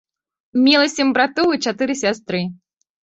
Мела сем братоў і чатыры сястры.